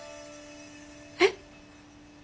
えっ？